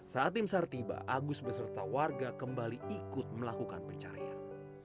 saat timsar tiba agus berserta warga kembali ikut melakukan pencarian